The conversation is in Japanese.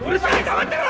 黙ってろ！！